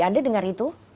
anda dengar itu